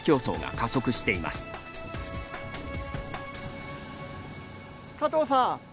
加藤さん。